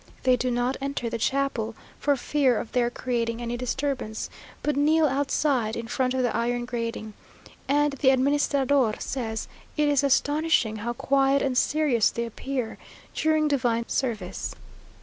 They do not enter the chapel, for fear of their creating any disturbance, but kneel outside, in front of the iron grating, and the administrador says it is astonishing how quiet and serious they appear during divine service.